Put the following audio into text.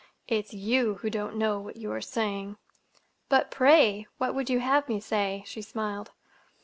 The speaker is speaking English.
It's you who don't know what you are saying!" "But, pray, what would you have me say?" she smiled.